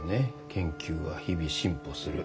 研究は日々進歩する。